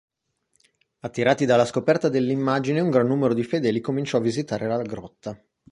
Attirati dalla scoperta dell'immagine, un gran numero di fedeli cominciò a visitare la grotta.